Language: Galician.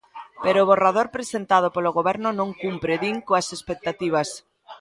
Pero o borrador presentado polo Goberno non cumpre, din, coas expectativas.